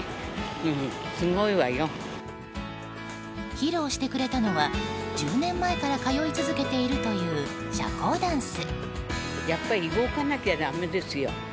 披露してくれたのは１０年前から通い続けているという社交ダンス。